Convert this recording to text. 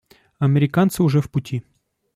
Американцы уже в пути.